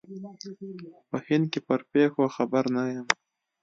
په هند کې پر پېښو خبر نه یم.